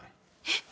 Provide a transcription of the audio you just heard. えっ！